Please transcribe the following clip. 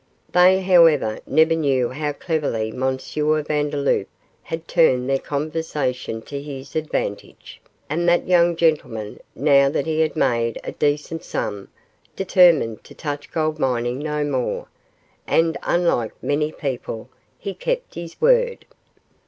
They, however, never knew how cleverly M. Vandeloup had turned their conversation to his advantage, and that young gentleman, now that he had made a decent sum, determined to touch gold mining no more, and, unlike many people, he kept his word.